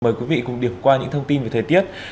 mời quý vị cùng điểm qua những thông tin về thời tiết